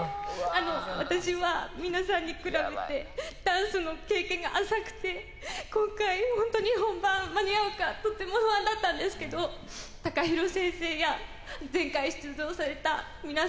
あの私は皆さんに比べてダンスの経験が浅くて今回ホントに本番間に合うかとっても不安だったんですけどＴＡＫＡＨＩＲＯ